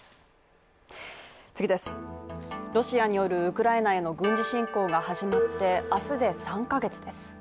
ロシアによるウクライナへの軍事侵攻が始まって、明日で３カ月です。